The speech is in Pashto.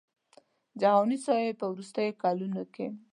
جهاني صاحب په وروستیو کلونو کې.